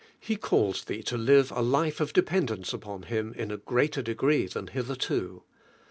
He calls thee to live a life of de pendence upon Him in a greater degree lhan hitherto.